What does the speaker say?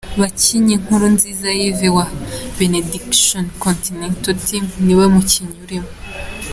bakinnyi, Nkurunziza Yves wa Benediction Continental Team niwe mukinnyi urimo